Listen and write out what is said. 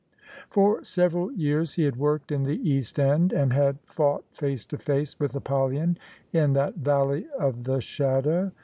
For several years he had worked in the East End, and had fought face to face with ApoUyon in that Valley of the Shadow.